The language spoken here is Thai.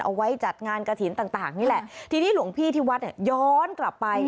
เอาไว้จัดงานกระถิ่นต่างต่างนี่แหละทีนี้หลวงพี่ที่วัดเนี่ยย้อนกลับไป